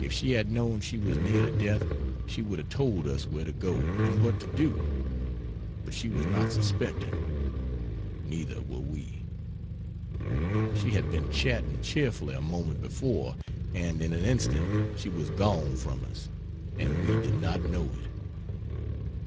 If she had known she was near to death she would have told us where to go and what to do: but she was not suspecting, neither were we. (She had been chatting cheerfully a moment before, and in an instant she was gone from us and we did not know it.